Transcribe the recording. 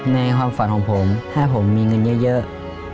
ในความฝันของผมถ้าผมมีเงินเยอะ